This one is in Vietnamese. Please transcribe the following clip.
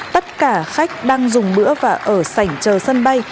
tất cả khách đang dùng bữa và ở sảnh chờ sân bay